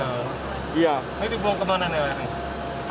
ini dibuang ke mana nih airnya